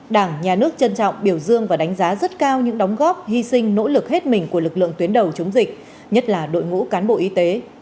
đảng nhà nước trân trọng biểu dương và đánh giá rất cao những đóng góp hy sinh nỗ lực hết mình của lực lượng tuyến đầu chống dịch nhất là đội ngũ cán bộ y tế